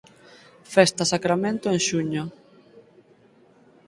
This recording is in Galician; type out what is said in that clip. Festa Sacramento en xuño.